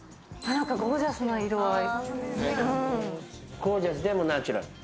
ゴージャスな色合い。